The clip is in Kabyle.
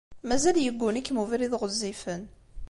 Mazal yegguni-kem ubrid ɣezzifen.